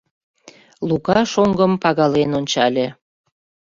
Лука шоҥгым пагален ончале.